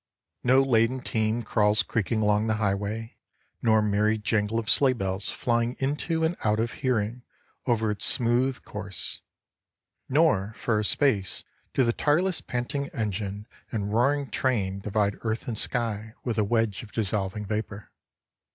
No laden team crawls creaking along the highway nor merry jangle of sleigh bells flying into and out of hearing over its smooth course, nor for a space do the tireless panting engine and roaring train divide earth and sky with a wedge of dissolving vapor.